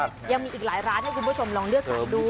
ยังมีอีกหลายร้านให้คุณผู้ชมลองเลือกสั่งดู